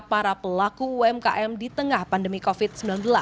para pelaku umkm di tengah pandemi covid sembilan belas